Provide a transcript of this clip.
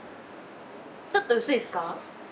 ちょっと薄いっすか？